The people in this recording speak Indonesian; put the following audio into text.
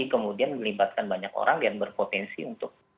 kemudian melibatkan banyak orang yang berpotensi untuk